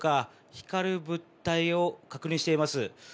光る物体を確認しています。